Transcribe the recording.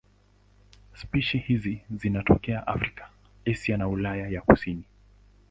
Spishi hizi zinatokea Afrika, Asia na Ulaya ya kusini.